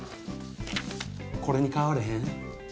これに変われへん？